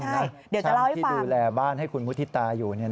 ช่างที่ดูแลบ้านให้คุณมุฒิตาอยู่